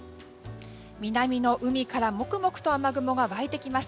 南の海からもくもくと雨雲が湧いてきます。